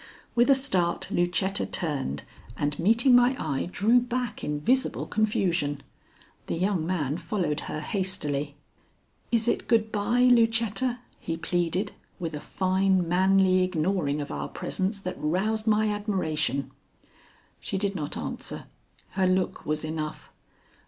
With a start Lucetta turned and, meeting my eye, drew back in visible confusion. The young man followed her hastily. "Is it good by, Lucetta?" he pleaded, with a fine, manly ignoring of our presence that roused my admiration. She did not answer. Her look was enough.